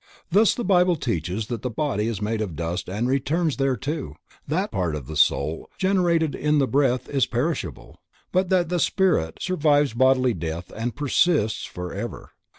Thus the Bible teaches that the body is made of dust and returns thereto, that a part of the soul generated in the breath is perishable, but that the spirit survives bodily death and persists forever.